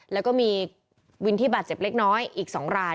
แล้วก็มีวินที่บาดเจ็บเล็กน้อยอีก๒ราย